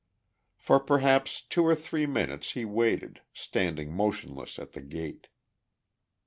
For perhaps two or three minutes he waited, standing motionless at the gate.